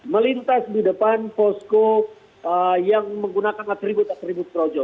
melintas di depan posko yang menggunakan atribut atribut projo